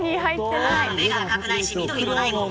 目が赤くないし、緑もないもん。